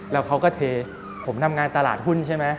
แล้วเขาก็เทผมทำงานตลาดหุ้นใช่ไหม